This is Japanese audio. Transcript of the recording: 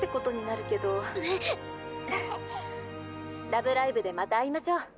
「『ラブライブ！』でまた会いましょう」。